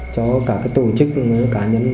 cho cả tổ chức người cá nhân